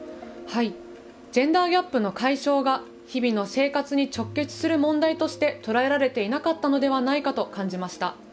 ジェンダーギャップの解消が日々の生活に直結する問題として捉えられていなかったのではないかと感じました。